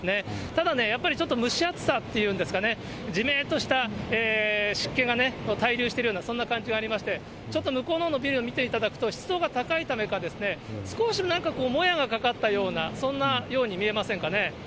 ただね、やっぱりちょっと蒸し暑さっていうんですかね、じめっとした湿気が滞留してるような、そんな感じがありまして、ちょっと向こうのほうのビルを見ていただくと、湿度が高いためか、少し、なんかもやがかかったような、そんなように見えませんかね。